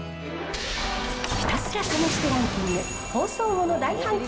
ひたすら試してランキング、放送後の大反響